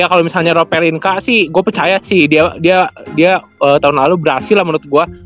ya kalo misalnya roper inca sih gua percaya sih dia tahun lalu berhasil lah menurut gua